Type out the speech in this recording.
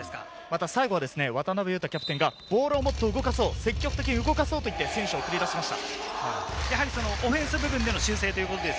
最後は渡邊雄太キャプテンがボールをもっと動かそう、積極的に動かそうと選手を送り出しました。